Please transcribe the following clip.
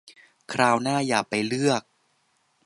คราวหน้าอย่าไปเลือก